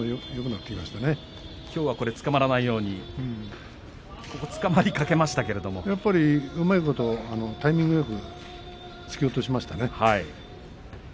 きょうはつかまらないようにタイミングよく突き落としましたね。